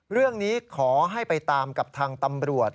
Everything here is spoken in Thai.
เรื่องนี้ขอให้ไปตามกับทางตำรวจ